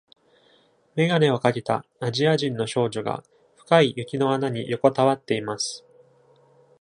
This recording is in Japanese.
メガネをかけたアジア人の少女が深い雪の穴に横たわっています。